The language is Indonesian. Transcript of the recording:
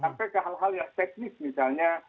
sampai ke hal hal yang teknis misalnya